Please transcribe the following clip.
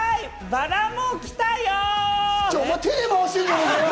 バラもきたよ！